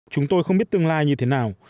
chúng tôi không biết tương lai như thế nào